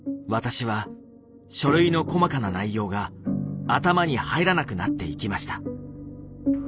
私は書類の細かな内容が頭に入らなくなっていきました。